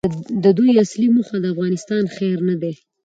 د دوی اصلي موخه د افغانستان خیر نه دی.